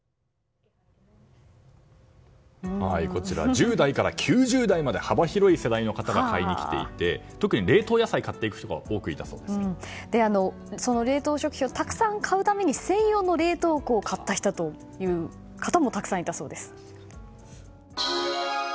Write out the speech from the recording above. １０代から９０代まで幅広い世代の方が買いに来ていて特に冷凍野菜を買っていく人がその冷凍食品をたくさん買うために専用の冷凍庫を買った人もたくさんいたそうです。